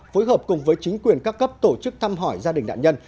phối hợp cùng với chính quyền các cấp tổ chức thăm hỏi gia đình nạn nhân